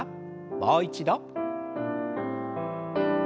もう一度。